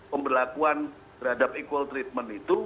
pemberlakuan terhadap equal treatment itu